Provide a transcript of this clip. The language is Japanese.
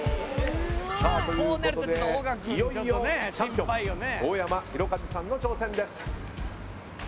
さあということでいよいよチャンピオン大山大和さんの挑戦です。